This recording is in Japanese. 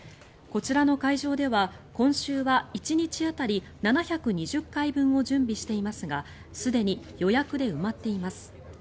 こちらの会場では今週は１日当たり７２０回分を準備していますがすでに予約で埋まっています。